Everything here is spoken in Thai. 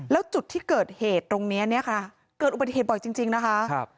และจุดที่เกิดเหตุตรงนี้เกิดอุปเถธ์บ่อยจริงนะครับ